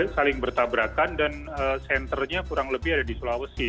saling bertabrakan dan senternya kurang lebih ada di sulawesi